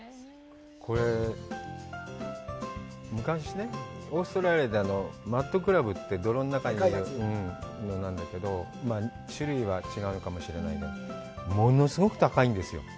これ、昔ね、オーストラリアで、マットクラブって泥の中のなんだけど、まあ種類は違うのかもしれないけど、物すごく高いんですよ。